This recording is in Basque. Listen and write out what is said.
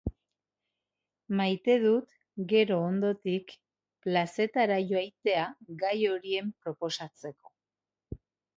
Maite dut, gero ondotik, plazetara joaitea gai horien proposatzeko.